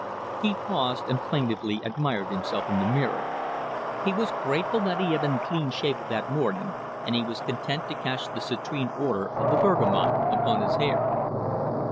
He paused and plaintively admired himself in the mirror. He was grateful that he had been clean shaved that morning, and he was content to catch the citrine odour of the bergamot upon his hair.